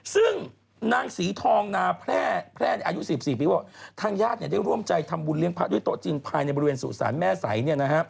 ซึ่งนางศรีทองนาแพร่ในอายุ๑๔ปีบอกทางญาติได้ร่วมใจทำบุญเลี้ยงพระด้วยโต๊ะจีนภายในบริเวณสุสานแม่ใส